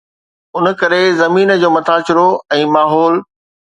ان ڪري زمين جو مٿاڇرو ۽ ماحول